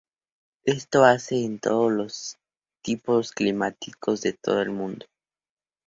Esto se hace en todos los tipos climáticos de todo el mundo.